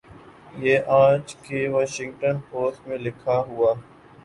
یہ آج کی واشنگٹن پوسٹ میں لکھا ہوا